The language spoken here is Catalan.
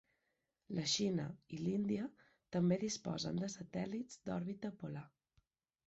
La Xina i l'Índia també disposen de satèl·lits d'òrbita polar.